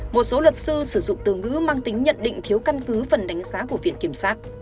một số luật sư sử dụng từ ngữ mang tính nhận định thiếu căn cứ phần đánh giá của viện kiểm sát